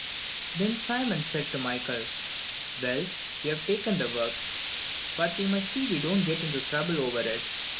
VII Then Simon said to Michael: "Well, we have taken the work, but we must see we don't get into trouble over it.